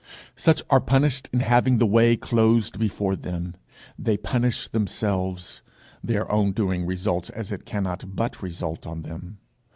Such are punished in having the way closed before them; they punish themselves; their own doing results as it cannot but result on them.